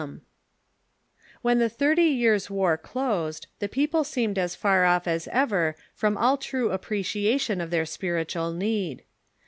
] When the Thirty Years' War closed, the people seemed as far oif as ever from all true appreciation of their spiritual need.